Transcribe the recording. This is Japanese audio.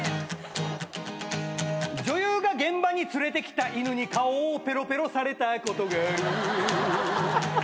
「女優が現場に連れてきた犬に顔をペロペロされたことがある」